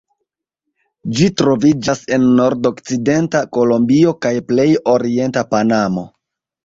Ĝi troviĝas en nordokcidenta Kolombio kaj plej orienta Panamo.